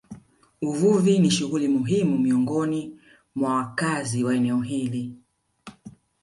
Uvuvi ni shughuli muhimu miongoni mwa wakazi wa eneo hili